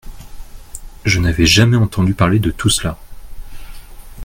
Je n’avais jamais entendu parler de tout cela !